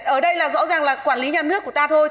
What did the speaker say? ở đây là rõ ràng là quản lý nhà nước của ta thôi